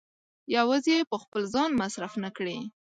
يوازې يې په خپل ځان مصرف نه کړي.